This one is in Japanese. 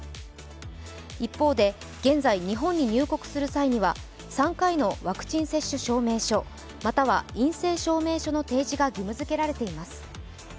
一方で、現在日本に入国する際には３回のワクチン接種証明書または陰性証明書の提示が義務付けられています。